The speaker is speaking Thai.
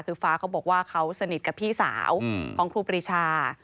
คือฟ้าเขาบอกว่าเขาสนิทกับพี่สาวของครูปรีชา